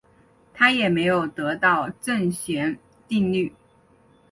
他也没有得到正弦定律。